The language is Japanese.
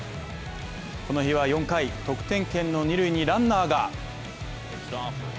この日は４回、得点圏の二塁にランナーが。